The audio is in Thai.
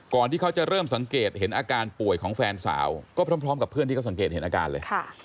ที่เขาจะเริ่มสังเกตเห็นอาการป่วยของแฟนสาวก็พร้อมกับเพื่อนที่เขาสังเกตเห็นอาการเลย